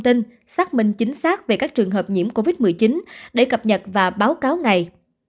tin xác minh chính xác về các trường hợp nhiễm covid một mươi chín để cập nhật và báo cáo này